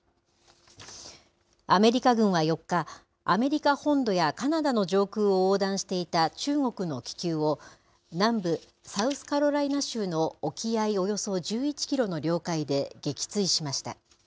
アメリカ軍は４日、アメリカ本土やカナダの上空を横断していた中国の気球を、南部サウスカロライナ州の沖合およそ１１キロの領海で撃墜しました。